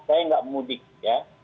saya nggak mudik ya